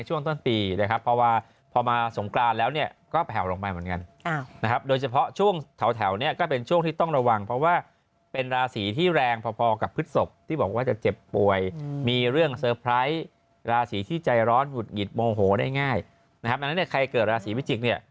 เออเวลาผมเจอมดดำเนี้ยผมได้ค่ะได้ความรู้ที่แบบเรื่องที่เกิดมาไม่เคยได้ยินน่ะ